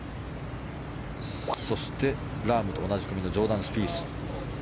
そして、ラームと同じ組のジョーダン・スピース。